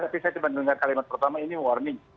tapi saya coba dengar kalimat pertama ini warning